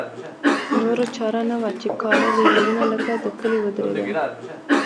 نوره چاره نه وه چې کاله دېوالونه لکه د کلي ودرېدل.